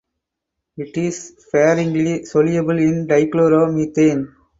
It is sparingly soluble in dichloromethane.